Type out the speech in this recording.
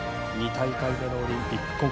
２大会目のオリンピック。